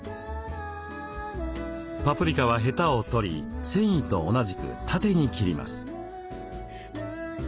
パプリカはへたを取り繊維と同じく縦に切ります。